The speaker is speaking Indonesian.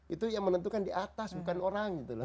itu yang menentukan di atas bukan orang gitu loh